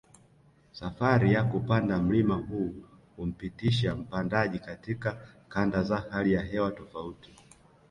Safari ya kupanda mlima huu humpitisha mpandaji katika kanda za hali ya hewa tofauti